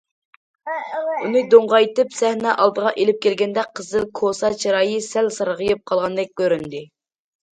ئۇنى دوڭغايتىپ سەھنە ئالدىغا ئېلىپ كەلگەندە، قىزىل كوسا چىرايى سەل سارغىيىپ قالغاندەك كۆرۈندى.